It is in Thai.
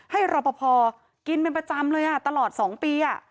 รอปภกินเป็นประจำเลยตลอด๒ปี